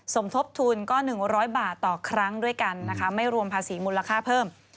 สมทบทุนก็๑๐๐บาทต่อครั้งด้วยกันนะคะไม่รวมภาษีมูลค่าเพิ่ม